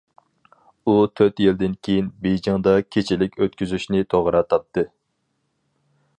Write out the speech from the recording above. ئۇ تۆت يىلدىن كېيىن، بېيجىڭدا كېچىلىك ئۆتكۈزۈشنى توغرا تاپتى.